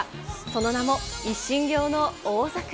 その名も、一心行の大桜。